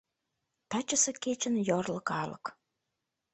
Тачысе кечын йорло калык